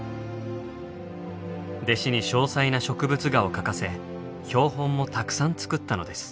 弟子に詳細な植物画を描かせ標本もたくさん作ったのです。